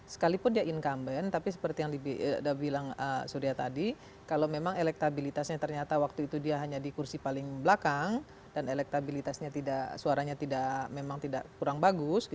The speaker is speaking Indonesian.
sekalipun dia incumbent tapi seperti yang sudah bilang surya tadi kalau memang elektabilitasnya ternyata waktu itu dia hanya di kursi paling belakang dan elektabilitasnya tidak suaranya memang tidak kurang bagus